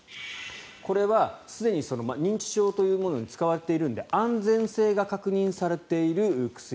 これはすでに認知症というものに使われているので安全性が確認されている薬。